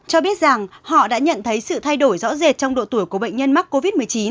cho biết rằng họ đã nhận thấy sự thay đổi rõ rệt trong độ tuổi của bệnh nhân mắc covid một mươi chín